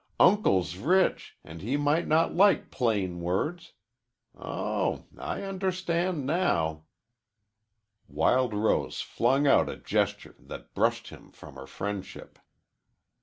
Uncle's rich, and he might not like plain words. Oh, I understand now." Wild Rose flung out a gesture that brushed him from her friendship.